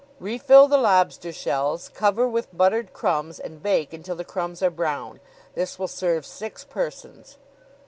"'Refill the lobster shells, cover with buttered crumbs, and bake until the crumbs are brown. This will serve six persons.'"